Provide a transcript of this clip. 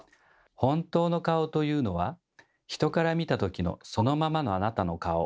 本当の顔というのは人から見た時のそのままのあなたの顔。